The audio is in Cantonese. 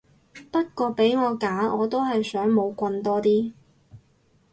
不過俾我揀我都係想冇棍多啲